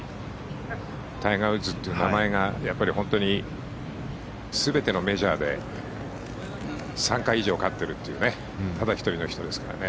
タイガー・ウッズという名前が本当に全てのメジャーで３回以上勝っているというただ１人の人ですからね。